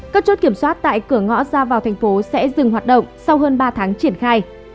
các chốt kiểm soát tại cửa ngõ ra vào thành phố sẽ dừng hoạt động sau hơn ba tháng triển khai